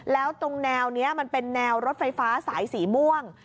แล้วตรงแนวนี้มันเป็นแนวรถไฟฟ้าสายสีม่วง